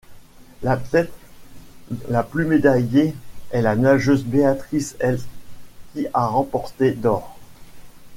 L'athlète la plus médaillée est la nageuse Béatrice Hess qui a remporté d'or.